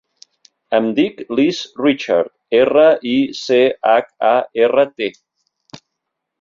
Em dic Lis Richart: erra, i, ce, hac, a, erra, te.